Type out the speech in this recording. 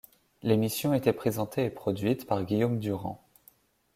L'émission était présentée et produite par Guillaume Durand.